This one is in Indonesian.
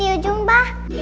di ujung pa